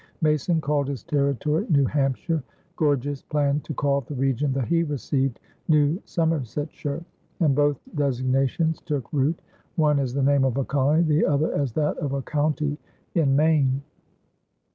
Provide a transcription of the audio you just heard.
Mason called his territory New Hampshire; Gorges planned to call the region that he received New Somersetshire; and both designations took root, one as the name of a colony, the other as that of a county in Maine.